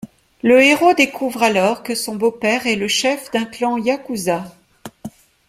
Le héros découvre alors que son beau-père est le chef d'un clan yakuza.